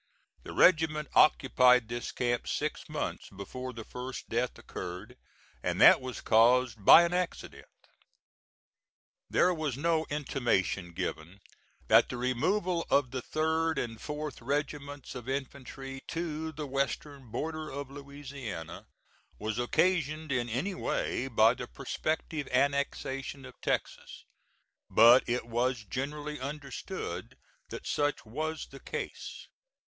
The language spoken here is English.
The regiment occupied this camp six months before the first death occurred, and that was caused by an accident. There was no intimation given that the removal of the 3d and 4th regiments of infantry to the western border of Louisiana was occasioned in any way by the prospective annexation of Texas, but it was generally understood that such was the case.